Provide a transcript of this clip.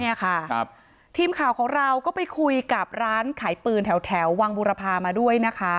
เนี่ยค่ะครับทีมข่าวของเราก็ไปคุยกับร้านขายปืนแถวแถววังบุรพามาด้วยนะคะ